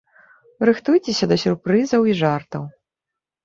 Рыхтуйцеся да сюрпрызаў і жартаў!